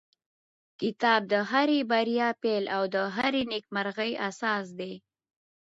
کتاب د هرې بریا پیل او د هرې نېکمرغۍ اساس دی.